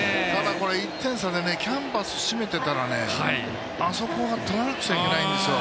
１点差でキャンバス締めてたらねあそこはとらなくちゃいけないんですよ